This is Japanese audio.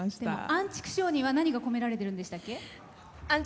あんちくしょうには何がこめられてるんでしたっけ？